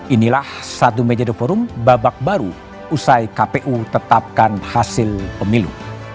inilah satu mejado forum babak baru usai kpu tetapkan hasil pemilu